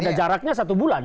ada jaraknya satu bulan